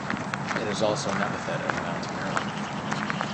It is also an epithet of mount Meru.